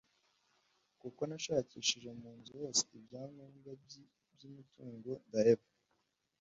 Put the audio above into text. kuko nashakishije munzu hose ibyangombwa byimitungo ndaheba